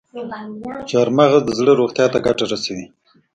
چارمغز د زړه روغتیا ته ګټه رسوي.